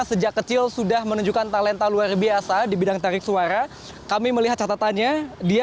sejak kecil sudah menunjukkan talenta luar biasa di bidang tarik suara kami melihat catatannya dia